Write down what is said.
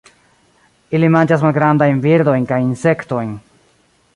Ili manĝas malgrandajn birdojn kaj insektojn.